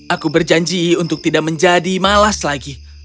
aku berjanji untuk tidak menjadi malas lagi